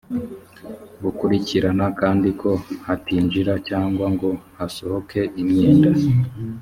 bukurikirana kandi ko hatinjira cyangwa ngo hasohoke imyenda.